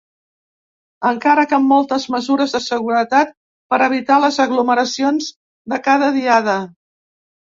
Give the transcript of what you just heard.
Encara que amb moltes mesures de seguretat, per evitar les aglomeracions de cada diada.